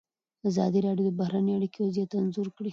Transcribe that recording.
ازادي راډیو د بهرنۍ اړیکې وضعیت انځور کړی.